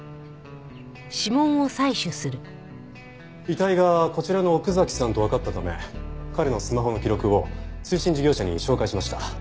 遺体がこちらの奥崎さんとわかったため彼のスマホの記録を通信事業者に照会しました。